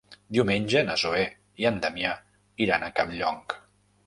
Diumenge na Zoè i en Damià iran a Campllong.